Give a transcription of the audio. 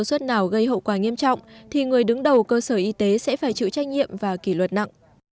nếu như bệnh viện nào gây hậu quả nghiêm trọng thì người đứng đầu cơ sở y tế sẽ phải chịu trách nhiệm và kỷ luật nặng